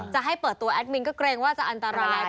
จะให้เปิดตัวแอดมินก็เกรงว่าจะอันตรายแล้ว